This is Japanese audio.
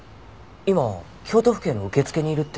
今京都府警の受付にいるって。